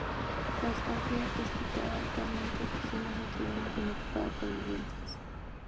La estancia destinada actualmente a oficinas, anteriormente fue ocupada por viviendas.